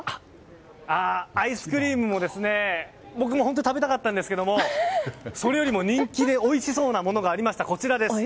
アイスクリームも僕も本当に食べたかったんですけどもそれよりも人気でおいしそうなものがありました。